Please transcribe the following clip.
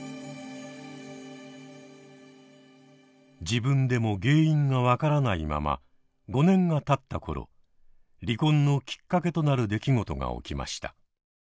自分でも原因が分からないまま５年がたった頃離婚のきっかけとなる出来事が起きました。